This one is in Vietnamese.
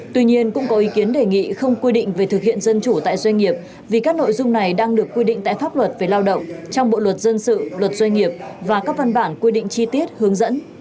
tuy nhiên cũng có ý kiến đề nghị không quy định về thực hiện dân chủ tại doanh nghiệp vì các nội dung này đang được quy định tại pháp luật về lao động trong bộ luật dân sự luật doanh nghiệp và các văn bản quy định chi tiết hướng dẫn